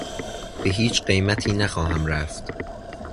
به هیچ قیمتی نخواهم رفت.